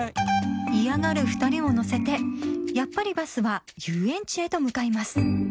嫌がる２人を乗せてやっぱりバスは遊園地へと向かいます